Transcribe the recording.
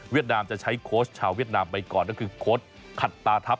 นามจะใช้โค้ชชาวเวียดนามไปก่อนก็คือโค้ดขัดตาทัพ